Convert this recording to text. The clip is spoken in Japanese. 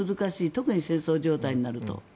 特に戦争状態になると。